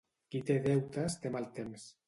Qui té deutes té mal temps.